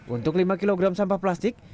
untuk lima kg sampah plastik